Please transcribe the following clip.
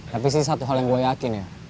tapi sih satu hal yang gue yakin ya